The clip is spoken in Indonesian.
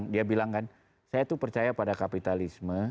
dia bilang saya percaya pada kapitalisme